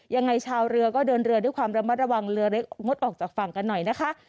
ชาวเรือก็เดินเรือด้วยความระมัดระวังเรือเล็กงดออกจากฝั่งกันหน่อยนะคะ